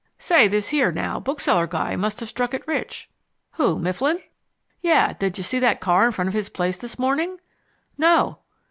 "Say, this here, now, bookseller guy must have struck it rich." "Who, Mifflin?" "Yeh; did ya see that car in front of his place this morning?" "No."